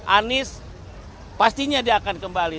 anies pastinya dia akan kembali